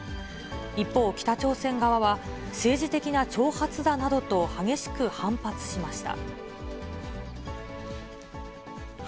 一方、北朝鮮側は、政治的な挑発だなどと激しく反発しました。